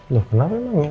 loh kenapa emang ya